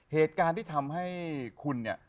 เหตุการณ์ที่ทำให้คุณเนี่ย